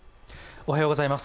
おはようございます。